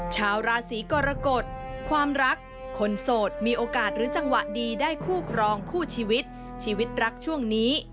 ชาวราศีกรกฎความรักคนโสดมีโอกาสหรือจังหวะดีได้คู่ครองคู่ชีวิตชีวิตรักช่วงนี้